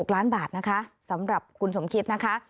๖ล้านบาทนะคะสำหรับคุณสมคิดนะคะ